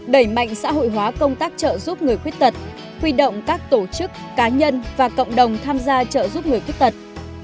đẩy mạnh xã hội hóa công tác trợ giúp người khuyết tật huy động các tổ chức cá nhân và cộng đồng tham gia trợ giúp người khuyết tật